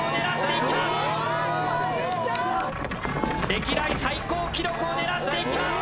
歴代最高記録を狙っていきます！